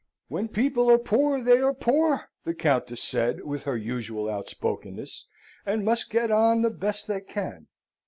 'When people are poor, they are poor,' the Countess said, with her usual outspokenness, 'and must get on the best they can.